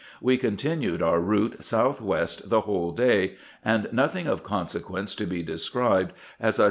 AVe continued our route south west the whole day, and nothing of consequence to be described, as I IN EGYPT, NUBIA, &c.